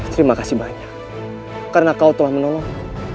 terima kasih banyak karena kau telah menolong